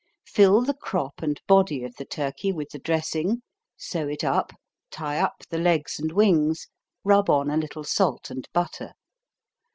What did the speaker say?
Fill the crop and body of the turkey with the dressing, sew it up, tie up the legs and wings, rub on a little salt and butter.